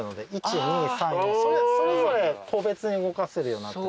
それぞれ個別に動かせるようになってます。